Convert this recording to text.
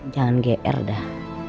jangan gr dah